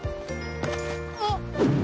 あっ！